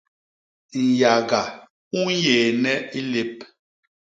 Nyaga u nyééne i lép.